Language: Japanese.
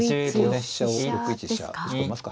飛車を６一飛車打ち込みますか。